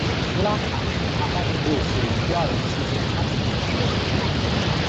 乌拉卡是阿方索六世与第二任妻子康斯坦丝的女儿。